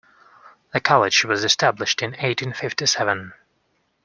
The college was established in eighteen fifty seven.